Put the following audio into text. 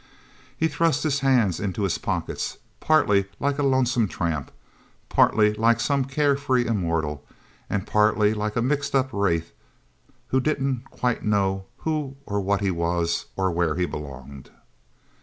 He thrust his hands into his pockets, partly like a lonesome tramp, partly like some carefree immortal, and partly like a mixed up wraith who didn't quite know who or what he was, or where he belonged.